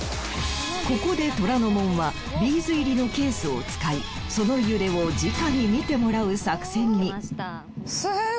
ここで虎ノ門はビーズ入りのケースを使いその揺れをじかに見てもらう作戦に。